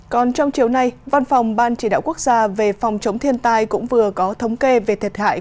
còn trong chiều nay văn phòng ban chỉ đạo quốc gia về phòng chống thiên tai cũng vừa có thống kê về thiệt hại